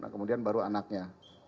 kemudian baru anaknya